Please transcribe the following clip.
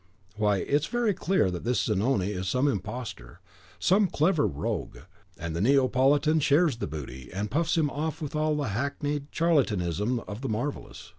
"Why, it is very clear that this Zanoni is some imposter, some clever rogue; and the Neapolitan shares the booty, and puffs him off with all the hackneyed charlatanism of the marvellous.